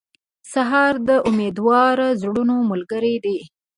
سهار د امیدوارو زړونو ملګری دی.